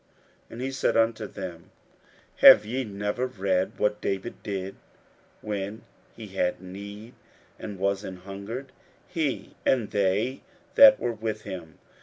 41:002:025 And he said unto them, Have ye never read what David did, when he had need, and was an hungred, he, and they that were with him?